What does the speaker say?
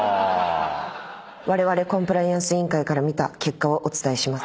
コンプライアンス委員会から見た結果をお伝えします。